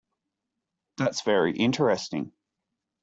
That’s very interesting.